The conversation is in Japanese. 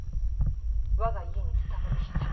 我が家に伝わる秘策。